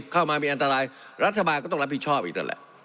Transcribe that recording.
เข้ามามีอันตรายรัฐบาลก็ต้องรับผิดชอบอีกนั่นแหละ